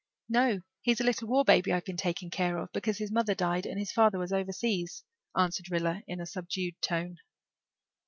"No, he's a little war baby I've been taking care of, because his mother died and his father was overseas," answered Rilla in a subdued tone.